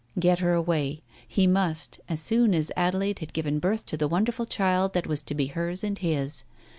Get her away !... He must ... as soon as Adelaide had given birth to the wonderful child that was to be hers and his